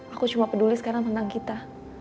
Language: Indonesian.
aku cuma peduli sekarang tentang kita